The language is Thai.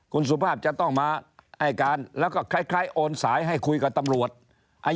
คุณสุภาพจะต้องมาให้การแล้วก็คล้ายโอนสายให้คุยกับตำรวจ